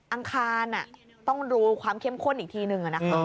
อังคารต้องดูความเข้มข้นอีกทีหนึ่ง